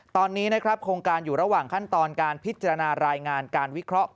ตอนนี้นะครับโครงการอยู่ระหว่างขั้นตอนการพิจารณารายงานการวิเคราะห